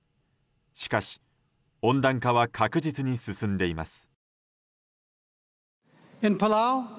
しかし温暖化は確実に進んでいます。